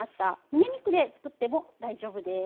むね肉で作っても大丈夫です。